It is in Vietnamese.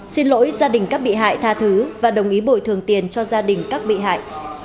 xin lỗi gia đình các bị hại tha thứ và đồng ý bồi thường tiền cho gia đình các bị hại